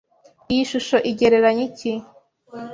Iyi shusho igereranya iki?